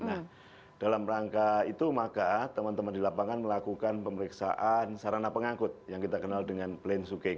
nah dalam rangka itu maka teman teman di lapangan melakukan pemeriksaan sarana pengangkut yang kita kenal dengan plan sukeng